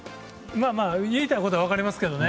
言いたいことは分かりますけどね。